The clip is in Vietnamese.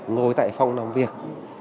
ngồi tại phòng làm việc